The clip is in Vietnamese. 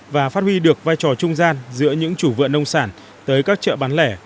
và phát huy được vai trò trung gian giữa những chủ vựa nông sản tới các chợ bán lẻ